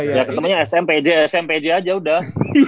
ya ketemu nya sm pj sm pj aja udah